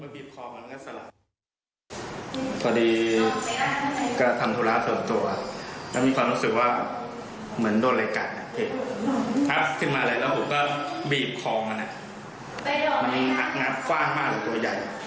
พอดีก็ทำธุระทนตัวจะมีความรู้สึกว่าเหมือนโดนอะไรกัดถ้าบีบคอมันมันอักงัดไว้มากตัวใหญ่